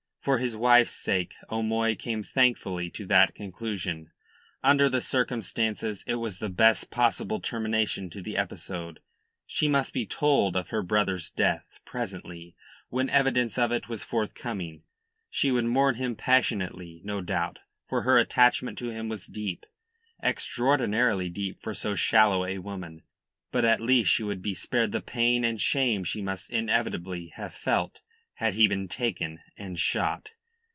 For his wife's sake O'Moy came thankfully to that conclusion. Under the circumstances it was the best possible termination to the episode. She must be told of her brother's death presently, when evidence of it was forthcoming; she would mourn him passionately, no doubt, for her attachment to him was deep extraordinarily deep for so shallow a woman but at least she would be spared the pain and shame she must inevitably have felt had he been taken and, shot.